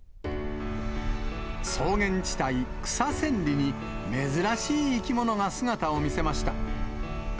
草原地帯、草千里に珍しい生き物が姿を見せました。